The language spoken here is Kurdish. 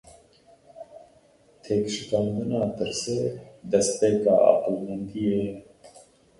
Têkşikandina tirsê, destpêka aqilmendiyê ye.